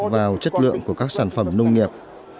vào chất lượng của các sản phẩm nông nghiệp